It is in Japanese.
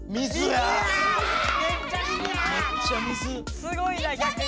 すごいな逆に。